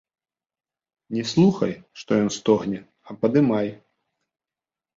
Не слухай, што ён стогне, а падымай.